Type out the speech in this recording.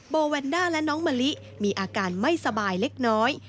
โบแวนด้าและน้องมะลิมีอาการไม่สบายเล็กน้อย